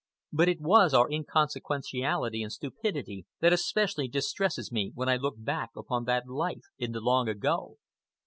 But it was our inconsequentiality and stupidity that especially distresses me when I look back upon that life in the long ago.